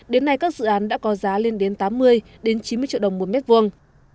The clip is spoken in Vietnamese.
đến nay các dự án đã có giá lên đến tám mươi chín mươi triệu đồng một mét vuông